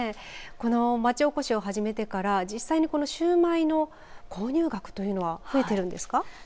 町おこしを始めてから実際のシューマイの購入額というの増えているんですか。